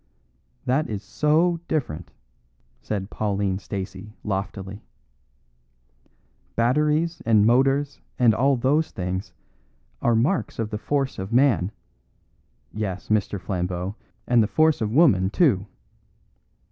"That is so different," said Pauline Stacey, loftily. "Batteries and motors and all those things are marks of the force of man yes, Mr. Flambeau, and the force of woman, too!